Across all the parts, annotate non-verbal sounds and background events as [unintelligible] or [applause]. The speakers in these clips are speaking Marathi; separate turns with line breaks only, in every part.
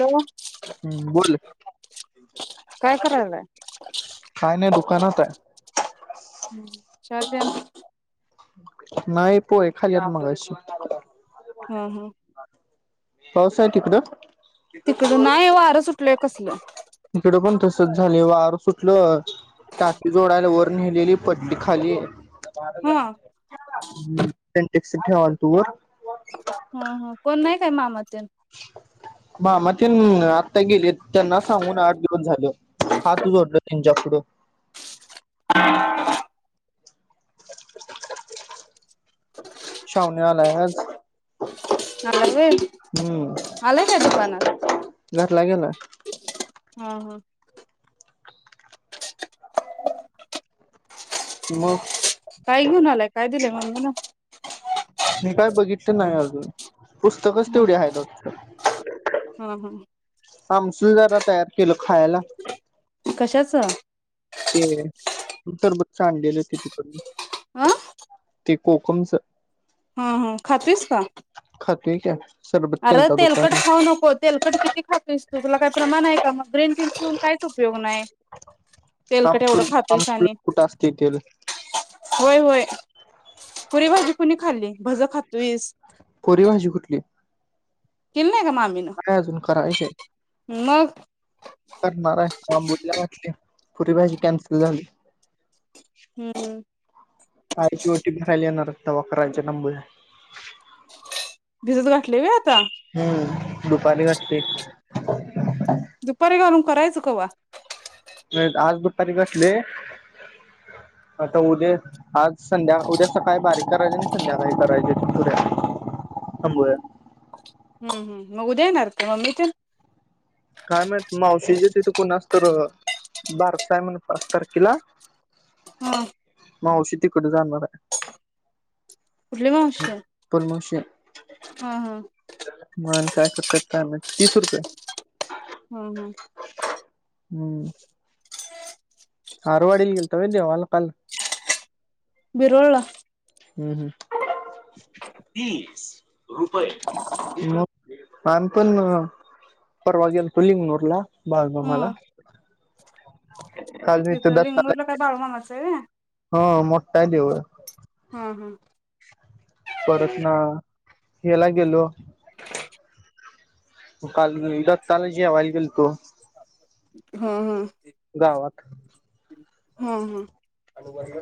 हॅलो,
हम्म बोल
काय करायलाय?
काय नाही दुकानात आहे
[unintelligible]
नाही, पोहे खाल्यात मगाशी.
अ हम्म.
पाऊस हाय तिकडं?
तिकड नाही वारं सुटलय कसलं
हिकडं पण तसचं झालय वार सुटलं, टाकी जोडायला वर नेलेली पडली खाली.
हा
हम्म, पेंटे. सिद्ध्या वालतूर
हा हा, कोण म एक ते म्हामत तेन
मामा तेन आता गेले, त्यांना सांगून आठ दिवस झालं, हात जोडलं त्यांच्या पुढं. शावण्या आलाय आज
आयुर्वेद,
हम्म
आलाय काय दुकानात?
घरला गेलाय
हां हां.
म
काय घेऊन आलाय, काय दिलंय मम्मीनं.
मी काय बघितलं नाही अजून, पुस्तकचं
हा
तेवढी हाईत वाटतं.
हा
आमसूल जरा तयार केलो.
कशाचं
तेनही, तुमच्याबरबरचं आणलेलं की तिकडून.
अ
ते कोकमचं
हम् हम, खातोयस का?
[unintelligible]
अरे
केलता
तेलकट
दुपारी
खाऊ नकोस तेलकट किती खातोस तू काय प्रमाण आहे का ग्रीन टी पिऊन काही उपयोग नाही तेलकट
आमसूल
एवढं खातोस
आमसूल
आणि
कुठं असते तेल
होय होय पुरी भाजी कुणी खाल्ली भज खातोय स किम
काय अजून करायचे
मग
करणारे काम बुडल्यावर पुरी भाजी कॅन्सल झाली
हु, हु
कारीची ओटी भरायला येणार तेव्हा करायचे नबोळे
भिजत गाठले व्हय आता
हम्म दुपारी [unintelligible]
दुपारी घालून करायच चुकवा
आज दुपारी [unintelligible] आता उद्या आज संध्या उद्या सकाळी बारीक करायचे आणि संध्याकाळी करायचे [unintelligible]
हम्म हम् मग उद्या येणारत का मम्मी [unintelligible]
काय माहयत मावशीच्या तिथ कोणाच तर बारसा आहे म्हण पाच तारखेला
हा
मावशी तिकडं जाणार हाय.
कुठली मावशिय हा हा
मग कशात काय नाही का तीस रुपये
हम् हम्
हम्म हारवाडीला गेलता देवाला काल?
बिरोळला
तीस रुपये मग? आम्ही पण न परवा गेलो लिंगलोरला. बाळू मामाला.
तिथं लिंगरूरला काय बाळू मामाच हाय व्हय?
हा मोठाय देऊळ.
हा हा
परत ना ह्याला गेलो काल दत्तला जेवायला गेलतो.
हा हा.
गावात
हा हा.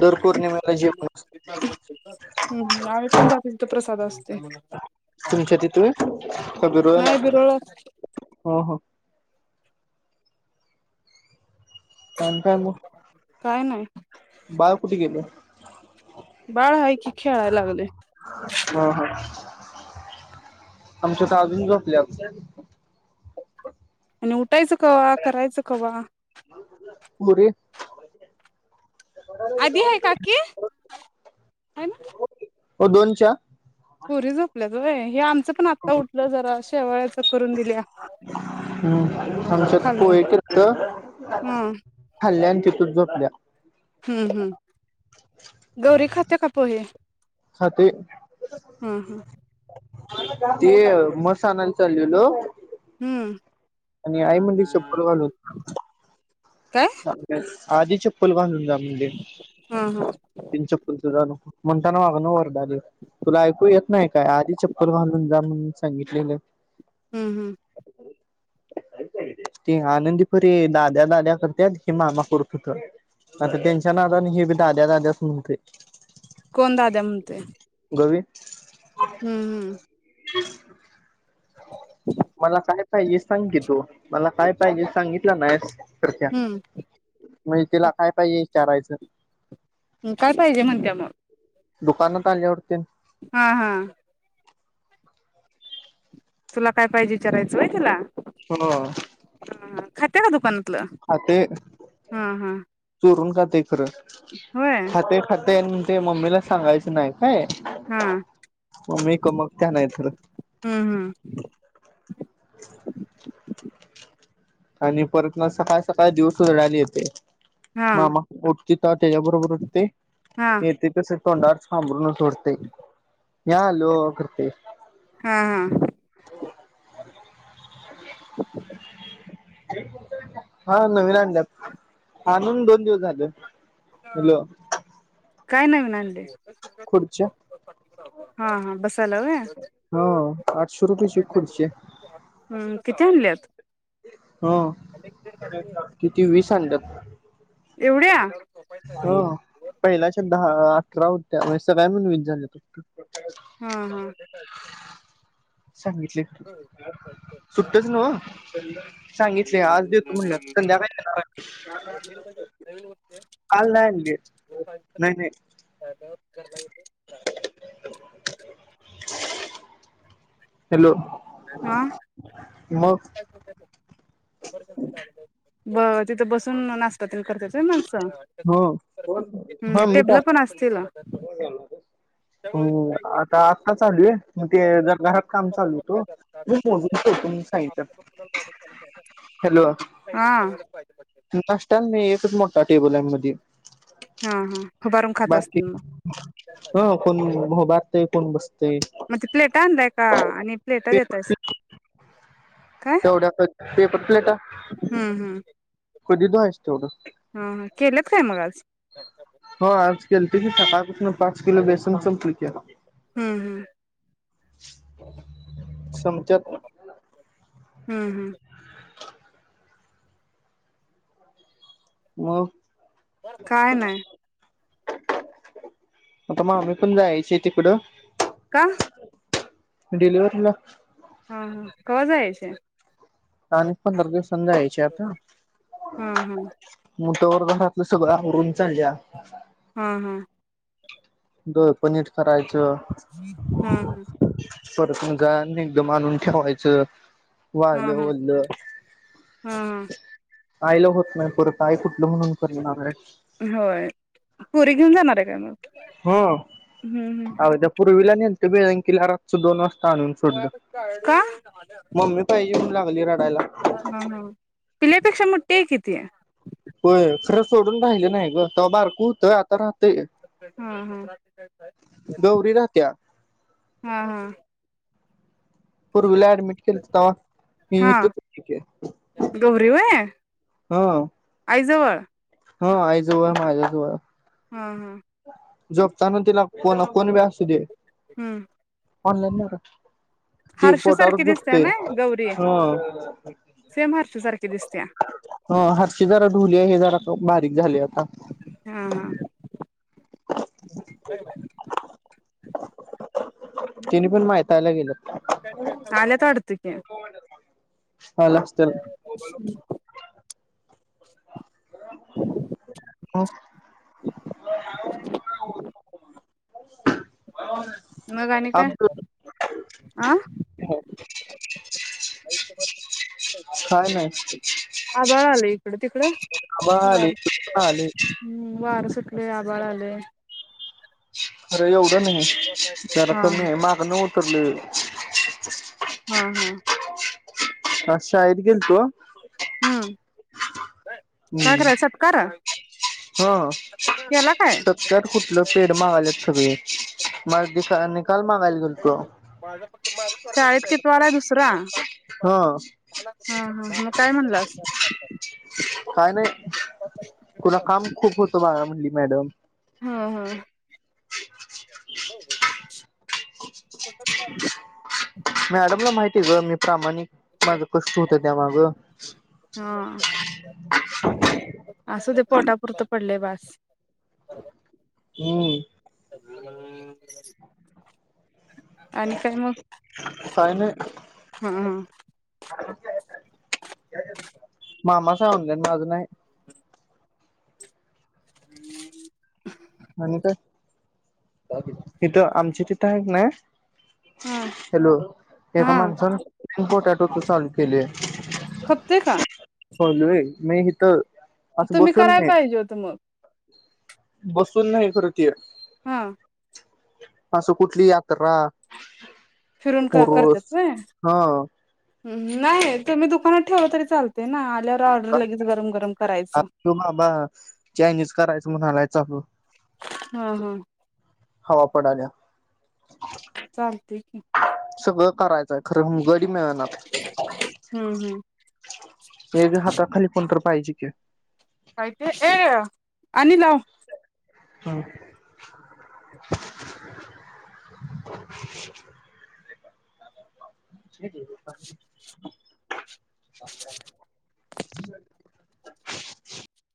दर
हम्म
पौर्णिमेला जेवण
हम्म आम्ही पण जातोय तिथ प्रसाद असते
असतं तुमच्या तिथे का बिरोळ्याला
नाही बिरोळला.
हो हो आणि काय
काय नाही
मगं बाळ कुठे गेलयं.
बाळ आहे कि खेळाय लागलंय.
आमच तर अजून झोपल्यात
आणि उठायचं कवा करायचं कवा
[unintelligible]
आधी आहे काकी आहे ना
हो दोनच्या
पोरी झोपल्यात व्हय हे आमच आमचं पण आता उठलं जरा शेवयाच करून दिल्या.
हम्म आमच्यात
खाल्ल्या
पोहे केलतं,
हा
खाल्ल्या आणि तिथंच झोपल्या.
हम्म हम्म गौरी खाते का पोहे?
खाते.
हा हा
ते मस आणायला चाललेलो.
हम्म.
आणि आई म्हणली शप्पथ घालून.
काय
[inaudible] आदी चप्पल घालून [unintelligible]
हा हा हम्म
बीन चप्पल त घालून. म्हणताना वागनं वरडालं, तुला ऐकू येत नाही काय आदी चप्पल घालून जा म्हण सांगितलेलं.
हम्म हम्म.
ते आनंदीपरे दाद्या दाद्या कर तेच की मामा पुरतं क, आता त्यांच्या नादने हे बी दाद्या दाद्याच म्हणतयं.
कोण दाद्या म्हणतंय?
[unintelligible]
हम्म-हम्म.
[inaudible] मला काय पाहिजे सांग की तू, मला काय पाहिजे सांगितलं नाहीस. तरत्या,
हम्म
म्हजे तिला काय पाहिजे? चारायचं.
हम्म, काय पाहिजे म्हणत्या मगं?
दुकानात आल्यावर तेन
हा-हा तुला काय पाईजेत् विचारायचं वय तिला?
हो
हं खात्या काय दुकानत्?
हां ते, चोरून खात् खरं,
होय
हां ते खा ते आन् मनतंय मम्मीला सांगायच नाही. होय
हा
म मी क मग त्या नाही तर
हम्म हम्म
आणि परत ना सकाळ सकाळ दिवस जळाले येते.
हा
मामा ऊठ चितात् तेजाबरोबर ते
हा
येते तसे तोंडवर सांबरून सोडते. मी आलो करतंय.
हां-हां
हां नवीन आणल्यात, आणून दोन दिवस झालं. हॅलो
काय नाही म्हणाले.
खुर्च्या
हा हा बसायला व्हय
हा आठशे रुपयची खुर्ची हाय
हम्म किती आनल्यात?
हा किती वीस आणल्यात?
एवढ्या!
हा त्यामूळ सगळ्या मिळून विस झाल्यात
हा हा
सांगितले सुट्टच नव सांगितले आज देतो म्हणल्यात संध्याकाळी देणार हाय काल नाही आणली नाही नाही. हॅलो
हा
मग
कतल करत्यात व्हय माणस
हो
हम केलं पण असशीला
परवा झाला तो हम आता आत्ता चाललोय म ते जरा घरात काम चालूएत हो खूप फोन येत होत म्हणून सांगितल्यात हॅलो नाश्त्याला नाही मोठा टेबल हाय मदी
हा हा उभारून खात
बाकी
असतील मग
हो कोण हुभारलय ते पण बस-
मजे प्लेटा आणलाय का आणि प्लेटा देतायसा काय
तेवढ्या कधी पेपर प्लेटा
हम्म हम्
कधी धुयायचे तेवढं?
हा ह केलंत काय मग आज?
हो आज केल ते की [unintelligible] पाच किलो बेसन समपले की -
हम्म हम्म.
[inaudible] सम्पत्यात.
हं हूं
मग?
काय नाही?
आता मामी पण जायचीय तिकडं
का?
डिलेव्हरीला
हा हा कवा जायचय?
आधी पंधरा दिवसांनी जायचे आता
हा हा
- मोठा वर्ग घातलं [unintelligible]
हा हा.
दूध, पनीर करायचे-
हा हा
अच् परत [unintelligible] एकदम आणून ठेवायचं- वायल
हा
वईल
हा हा
- आईला होत नाही परत आई कुठं- म्हणून करणार आहे.
पोरी घेऊन जाणार आहे का म?
हो, आहो त्या, पूर्वीला, नेलत- [unintelligible] घरात दोन - आणून सोडल.
का
मम्मी पाहिलं आणि म लागली रडायला.
अपेक्षा मोठ्ठी आहे कीती -
होय, घर सोडून राहिलं नाही ग, तेव्हा बारकं होतं आता काय
हा
- [unintelligible] गौरी राहत्या.
हा हा.
पूर्वीला ऍडमिट केलं होत तेव्हा मी
हा
इथेच होते
गौरी व्हय
- हा.
आईजवळ
होय- आईजवळ आईजवळ-
हा हा.
झोपताना तिला कोण, कोण बी असू दे.
हु
ऑनलाइन नडक ते पोटावरच
सारखी दिसत्या
झोपतय,
ना गौरी
ह
सेम हारशू सारखी दिसत्या
हातचे जरा डोली हाय आता जरा बारीक झाले
व्हय व्हय
तिने पण माहिताय, लगेच
कालच आड, तिच्या
आला
आवाज
असतील
ऐकायला येत नाही
ह
मग आणि काय आं
नाही
आभाळ आलाय इकडे तिकडे
आबा
ह
आले आले
वार सुटले लय आभाळ आलय
अरे! एवढं नाही! जरा
हा
कमी!
हा
मागन उतरले!
हा हा
आज शाळेत गेलतो!
हम्म! काय कराय
हम्म
सत्कार
हा
केला काय
सत्यात कुठलं पेड मागालेत सगळे! माग काय माहीत
शाळेत कि सोडा दुसरा हा हा काय म्हणलं असल?
काय नाही! तुला काम खूप होत माग म्हणली मॅडम?
हा हा [inaudible]
मॅडमला माहिती ग! मी प्रामाणिक माझं कष्ट होत! त्यामाग अ् [inaudible]
हा असच पोटापुरत पडलय बास!
हम्म..
[inaudible]
[inaudible]
आणि काय मग
काय नाय
हूं!
मामाचा ऑनलाईन माझ नाही.
[inaudible]
आणि काय तिथं, आमची तिथं, आहेत ना
हा
हॅलो एका
हा
माणसान बोटात फक्त चालू केलेय.
खपतोय का?
होईल, होईल नाही इथं
तुम्ही कराय पाहिजे होत मग.
बस नाही करूतीया.
हा
असं कुठली यात्रा
फिरून करतात
पूर्वज
व्हय
हा
नाही तुम्ही दुकानात ठेवलं तरी चालतय ना आल्या
अ तो माबा चायनीज, करायचं म्हणालायत. [unintelligible]
हां हां
वापडाल्या.
चालतय की.
सगळं करायचंय खरं हं ग. टीम मिळ ना
हम्म हम्म
एक हाता खाली पण तर पाहिजे के
काय ते ए आणि लाव.
हं! [unintelligible]